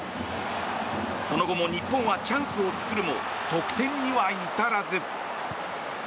その後も日本はチャンスを作るも得点には至らず。